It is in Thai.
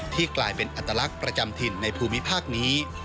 กลายเป็นอัตลักษณ์ประจำถิ่นในภูมิภาคนี้